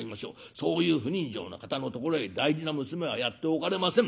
そういう不人情な方のところへ大事な娘はやっておかれません。